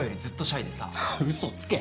嘘つけ。